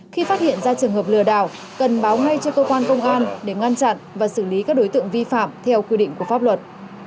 khi phát hiện ra trường hợp lừa đảo cần báo ngay cho cơ quan công an để ngăn chặn và xử lý các đối tượng vi phạm theo quy định của pháp luật